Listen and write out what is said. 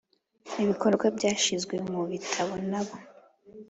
ibikorwa byashyizwe mu bitabo nabo